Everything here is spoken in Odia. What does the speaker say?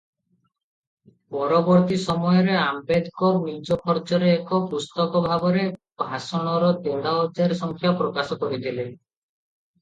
ପରବର୍ତ୍ତୀ ସମୟରେ ଆମ୍ବେଦକର ନିଜ ଖର୍ଚ୍ଚରେ ଏକ ପୁସ୍ତକ ଭାବରେ ଭାଷଣର ଦେଢ଼ହଜାର ସଂଖ୍ୟା ପ୍ରକାଶ କରିଥିଲେ ।